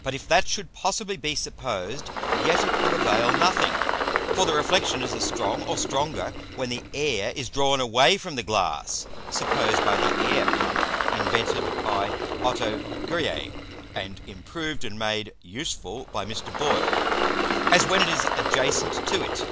But if that should possibly be supposed, yet it will avail nothing; for the Reflexion is as strong or stronger when the Air is drawn away from the Glass, (suppose by the Air Pump invented by Otto Gueriet, and improved and made useful by Mr. Boyle) as when it is adjacent to it.